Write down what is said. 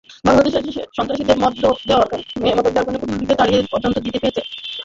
বাংলাদেশে সন্ত্রাসীদের মদদ দেওয়ার কারণে তাদের কূটনীতিকদের তাড়িয়ে পর্যন্ত দিতে হয়েছে।